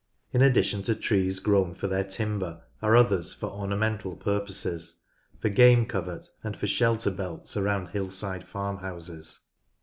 In addition to trees grown for their timber are others for ornamental purposes, for game covert, and for shelter belts around hillside farm houses.